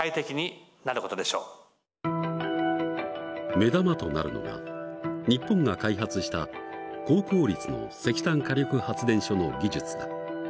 目玉となるのが日本が開発した高効率の石炭火力発電所の技術だ。